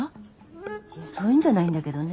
いやそういうんじゃないんだけどね。